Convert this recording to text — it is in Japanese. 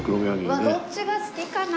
うわっどっちが好きかな？